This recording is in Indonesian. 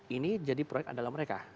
ini jadi proyek adalah mereka